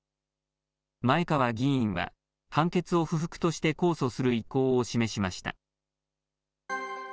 前川議員は、判決を不服として控訴する意向を示しました。